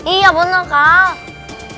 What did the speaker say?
iya bener kak